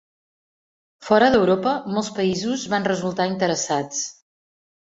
Fora d'Europa, molts països van resultar interessats.